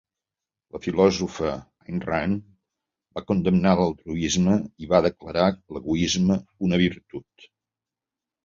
La filòsofa Ayn Rand va condemnar "l'altruisme" i va declarar l'egoisme una virtut.